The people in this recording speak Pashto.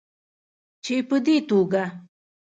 چې په دې توګه